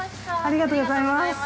ありがとうございます。